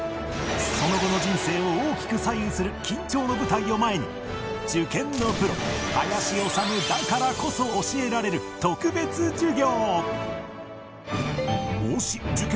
その後の人生を大きく左右する緊張の舞台を前に受験のプロ林修だからこそ教えられる特別授業